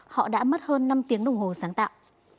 họ đã mất hơn năm tiếng đồng hồ sáng tạo